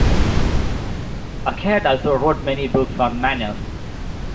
Achard also wrote many books on manners.